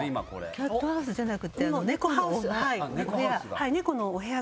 キャットハウスじゃなく猫のお部屋。